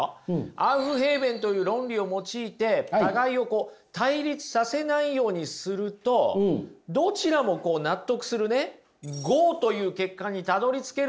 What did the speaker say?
アウフへーベンという論理を用いて互いを対立させないようにするとどちらも納得するね合という結果にたどりつけるんですよ。